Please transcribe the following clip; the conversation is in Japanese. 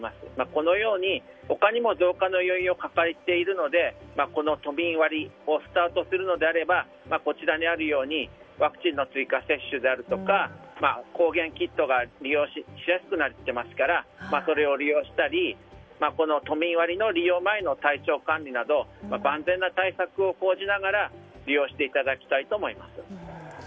このように他にも増加の要因を抱えているので都民割をスタートするのであればこちらにあるようにワクチンの追加接種や抗原キットが利用しやすくなっていますからそれを利用したり都民割の利用前の体調管理など万全な対策を講じながら利用していただきたいと思います。